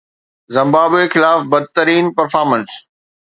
Zimbabwe خلاف بدترين performance